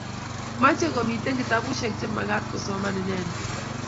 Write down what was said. mache komiten kitabushek chemagaat kosoman inendet